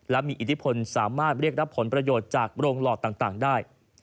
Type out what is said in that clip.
และมีอิทธิพลสามารถเรียกรับผลประโยชน์จากโรงหลอดต่างได้